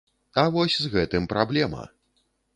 А вось з гэтым праблема!